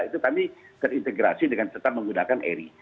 itu kami terintegrasi dengan tetap menggunakan eri